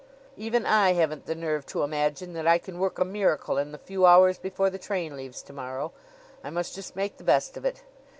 "Even I haven't the nerve to imagine that I can work a miracle in the few hours before the train leaves to morrow. I must just make the best of it.